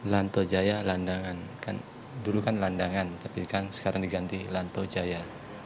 lantojaya landangan kan dulu kan landangan tapi kan sekarang diganti lantojaya